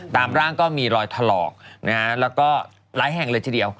ตามร่างก็มีรอยถลอกนะฮะแล้วก็หลายแห่งเลยทีเดียว